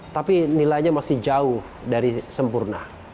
tapi nilainya masih jauh dari sempurna